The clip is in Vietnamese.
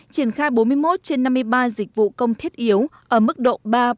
triển khai bốn mươi một trên năm mươi ba dịch vụ công thiết yếu ở mức độ ba bốn